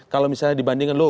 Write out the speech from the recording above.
kalau misalnya dibandingkan